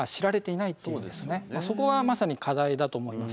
そこはまさに課題だと思います。